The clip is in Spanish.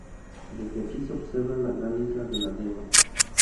Desde aquí se observa la gran Isla de La Deva.